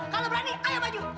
kalau berani ayo baju